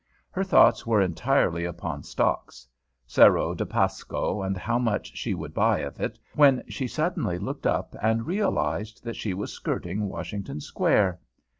Her thoughts were entirely upon stocks, Cerro de Pasco, and how much she should buy of it, when she suddenly looked up and realized that she was skirting Washington Square.